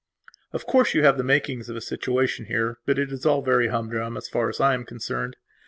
Of course you have the makings of a situation here, but it is all very humdrum, as far as I am concerned.